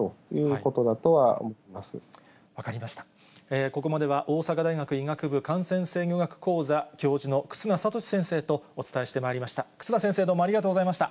ここまでは大阪大学医学部感染制御学講座教授の忽那賢志先生とお伝えしてまいりました。